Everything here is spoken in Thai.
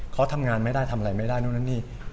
เขาทำงานไม่ได้ทำอะไรไม่ได้นู่นนั่นนี่